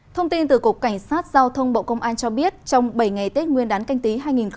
thông tin từ cục cảnh sát giao thông bộ công an cho biết trong bảy ngày tết nguyên đán canh tí hai nghìn hai mươi